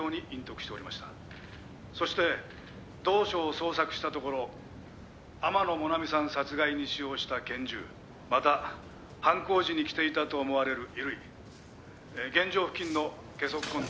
「そして同所を捜索したところ天野もなみさん殺害に使用した拳銃また犯行時に着ていたと思われる衣類現場付近のゲソ痕と」